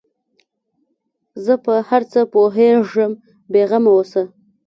زه په هر څه پوهېږم بې غمه اوسه.